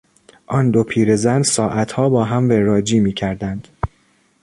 آن دو پیرزن ساعتها با هم وراجی میکردند.